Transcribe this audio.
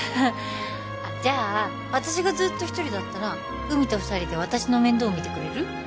じゃあ私がずっとひとりだったら海と二人で私の面倒見てくれる？